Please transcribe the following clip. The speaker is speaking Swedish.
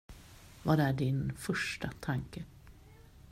Vad är din första tanke?